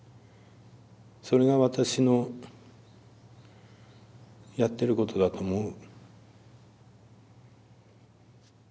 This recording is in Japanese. それが私のやってることだと思う。